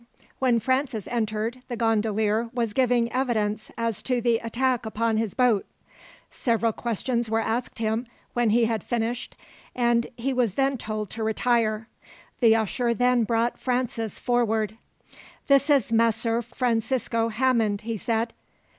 When Francis entered the gondolier was giving evidence as to the attack upon his boat. Several questions were asked him when he had finished, and he was then told to retire. The usher then brought Francis forward. "This is Messer Francisco Hammond," he said.